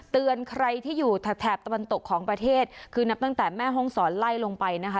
เตือนใครที่อยู่แถบแถบตะวันตกของประเทศคือนับตั้งแต่แม่ห้องศรไล่ลงไปนะคะ